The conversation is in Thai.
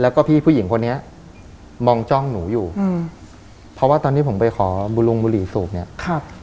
แล้วก็พี่ผู้หญิงคนนี้มองจ้องหนูอยู่อืมเพราะว่าตอนที่ผมไปขอบุรุงบุหรี่สูบเนี่ยครับ